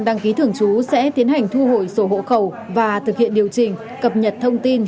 đăng ký thường trú sẽ tiến hành thu hồi sổ hộ khẩu và thực hiện điều chỉnh cập nhật thông tin